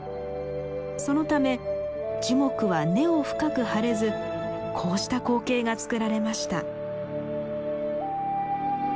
そのため樹木は根を深く張れずこうした光景がつくられました。